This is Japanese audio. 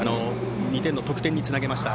２点の得点につなげました